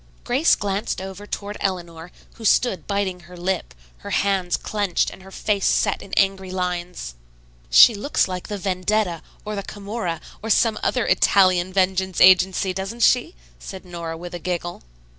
Grace glanced over toward Eleanor, who stood biting her lip, her hands clenched and her face set in angry lines. "She looks like the 'Vendetta' or the 'Camorra' or some other Italian vengeance agency, doesn't she?" said Nora with a giggle.